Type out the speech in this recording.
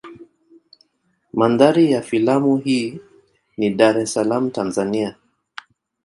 Mandhari ya filamu hii ni Dar es Salaam Tanzania.